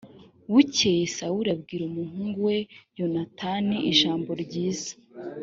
bukeye sawuli abwira umuhungu we yonatani ijambo ryiza